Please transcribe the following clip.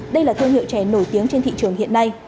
đây là thương hiệu chè nổi tiếng trên thị trường hiện nay